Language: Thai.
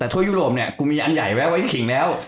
แต่ทั่วยุโรปเนี่ยกูมีอันใหญ่แวะไว้ขิงแล้ว